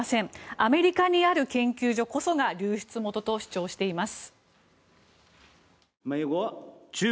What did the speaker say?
アメリカにある研究所こそが流出元と主張しています。